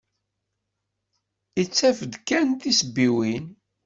Ittaf-d kan tisebbiwin.